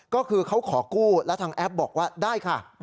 ก็คือเขาขอกู้แล้วทางแอปบอกว่าได้ค่ะ